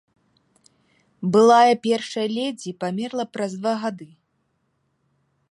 Былая першая лэдзі памерла праз два гады.